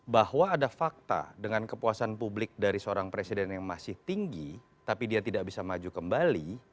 bahwa ada fakta dengan kepuasan publik dari seorang presiden yang masih tinggi tapi dia tidak bisa maju kembali